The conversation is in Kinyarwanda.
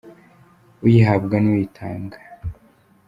Uyihabwa n’uyitanga